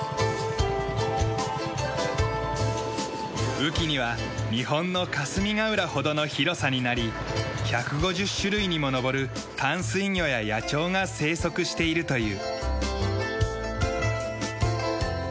雨期には日本の霞ケ浦ほどの広さになり１５０種類にものぼる淡水魚や野鳥が生息しているという。